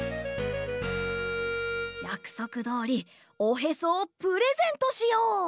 やくそくどおりおへそをプレゼントしよう！